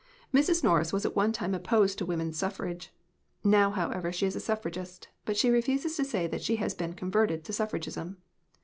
Mrs. Norris was at one time opposed to woman suffrage. Now, however, she is a suffragist, but she refuses to say that she has been "converted" to suffragism.